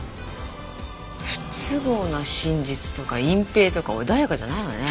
「不都合な真実」とか「隠蔽」とか穏やかじゃないわね。